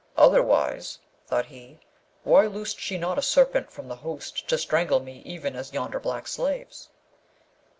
'Otherwise,' thought he, 'why loosed she not a serpent from the host to strangle me even as yonder black slaves?'